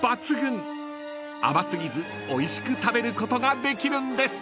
［甘過ぎずおいしく食べることができるんです］